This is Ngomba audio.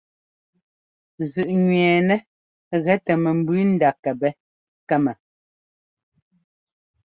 Zʉꞌnẅɛɛnɛ́ gɛ tɛ mɛmbʉʉ ndá kɛpɛ́ kɛ́mɛ.